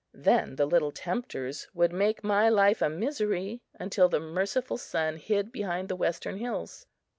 Then the little tempters would make my life a misery until the merciful sun hid behind the western hills.